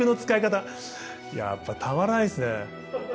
やっぱたまらないっすね。